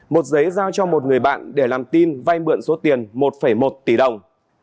một giấy giao cho một người bạn để làm tin vay mượn số tiền một một tỷ đồng